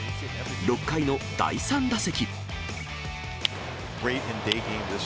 ６回の第３打席。